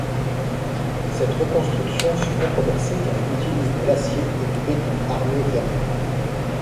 Cette reconstruction fut controversée car elle utilise de l'acier et du béton armé verni.